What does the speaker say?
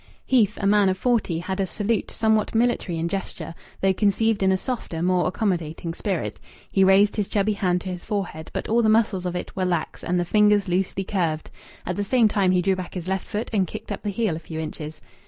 Heath, a man of forty, had a salute somewhat military in gesture, though conceived in a softer, more accommodating spirit. He raised his chubby hand to his forehead, but all the muscles of it were lax and the fingers loosely curved; at the same time he drew back his left foot and kicked up the heel a few inches.